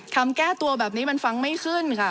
แก้ตัวแบบนี้มันฟังไม่ขึ้นค่ะ